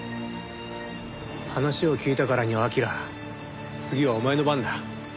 話を聞いたからには彬次はお前の番だ。